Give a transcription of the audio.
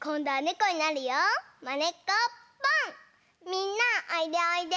みんなおいでおいで。